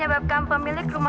puas kamu puas kamu